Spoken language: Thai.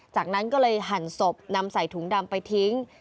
จากนั้นก็เลยหั่นศพนำใส่ถุงดำไปทิ้ง